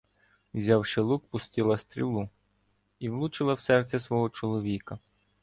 Взявши лук, пустила стрілу — і влучила в серце свого чоловіка.